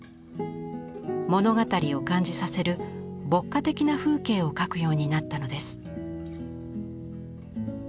物語を感じさせる牧歌的な風景を描くようになったのです。